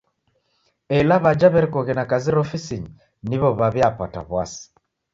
Ela w'aja w'erekoghe na kazi ra ofisinyi niwo w'aw'iapata w'asi.